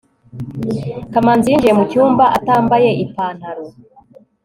kamanzi yinjiye mu cyumba, atambaye ipantaro